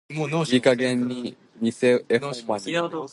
いい加減偽絵保マニ。